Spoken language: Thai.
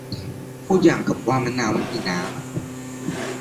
พูดอย่างมะนาวไม่มีน้ำ